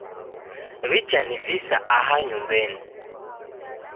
Wichanivisa aha nyumbenyi